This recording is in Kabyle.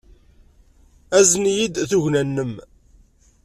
Azen-iyi-d tugna-nnem.